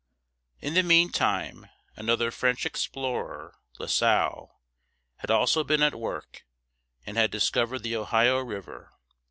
In the meantime, another French explorer, La Salle (lah sahl´), had also been at work, and had discovered the Ohio River.